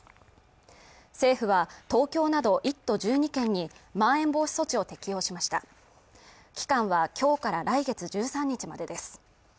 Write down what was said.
政府は東京など１都１２県にまん延防止を適用しました期間はきょうから来月１３日までです